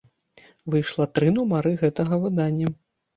Выйшла тры нумары гэтага выдання.